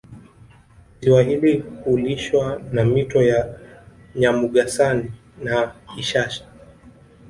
Ziwa hili hulishwa na mito ya Nyamugasani na Ishasha